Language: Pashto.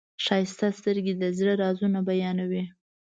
ښایسته سترګې د زړه رازونه بیانوي.